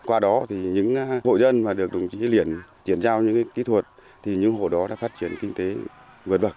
qua đó thì những hộ dân mà được đồng chí liền chuyển giao những kỹ thuật thì những hộ đó đã phát triển kinh tế vượt bậc